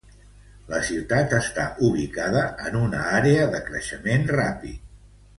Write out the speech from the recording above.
La ciutat està ubicada en una àrea de creixement ràpid.